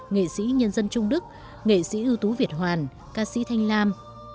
nghệ sĩ nhân dân trung đức nghệ sĩ ưu tú việt hoàn ca sĩ thanh lam